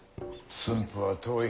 駿府は遠い。